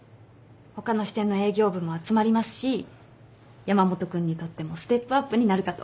他の支店の営業部も集まりますし山本君にとってもステップアップになるかと。